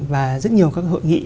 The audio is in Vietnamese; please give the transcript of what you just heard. và rất nhiều các hội nghị